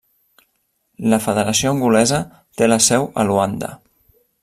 La Federació Angolesa té la seu a Luanda.